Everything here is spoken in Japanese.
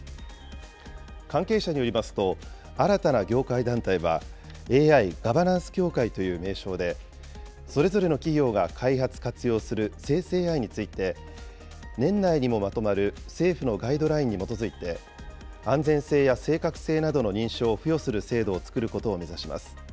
関係者によりますと、新たな業界団体は、ＡＩガバナンス協会という名称で、それぞれの企業が開発・活用する生成ＡＩについて、年内にもまとまる、政府のガイドラインに基づいて、安全性や正確性などの認証を付与する制度を作ることを目指します。